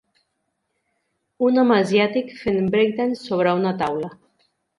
Un home asiàtic fent breakdance sobre una taula.